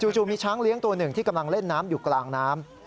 จู่มีช้างเลี้ยงตัวหนึ่งที่กำลังเล่นน้ำอยู่กลางน้ำ